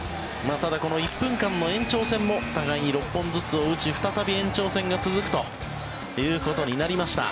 ただ、この１分間の延長戦も互いに６本ずつを打ち再び延長戦が続くということになりました。